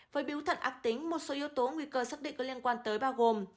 với biếu thật ác tính một số yếu tố nguy cơ xác định có liên quan tới bao gồm